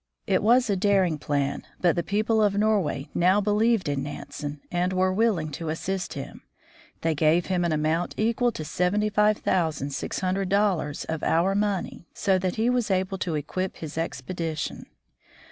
It was a daring plan, but the people of Norway now believed in Nansen and were willing to assist him. They gave him an amount equal to $75,600 of our money, so that he was able to equip his expedition.